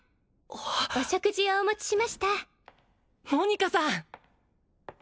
お食事をお持ちしましたモニカさん！